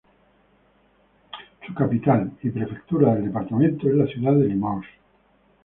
Su capital, y prefectura del departamento, es la ciudad de Limoges.